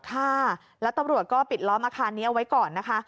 ค่ะแล้วตำรวจก็ปิดล้อมอาคารนี้เอาไว้ก่อนนะคะ